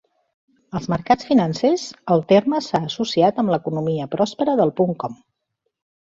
Als mercats financers, el terme s'ha associat amb l'economia pròspera del punt com.